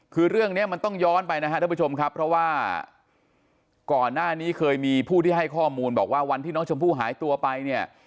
คือเรื่องนี้มันต้องย้อนไปนะครับท่านผู้ชมครับเพราะว่าก่อนหน้านี้เคยมีผู้ที่ให้ข้อมูลบอกว่าวันที่น้องชมพู่หายตัวไปเนี่ย